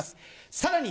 さらに！